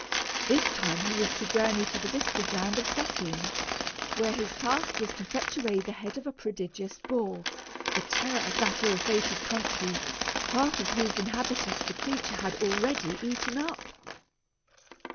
This time he was to journey to the distant land of Satyn, where his task was to fetch away the head of a prodigious boar, the terror of that ill fated country, half of whose inhabitants the creature had already eaten up.